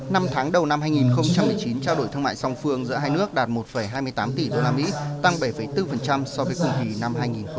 năm tháng đầu năm hai nghìn một mươi chín trao đổi thương mại song phương giữa hai nước đạt một hai mươi tám tỷ usd tăng bảy bốn so với cùng kỳ năm hai nghìn một mươi tám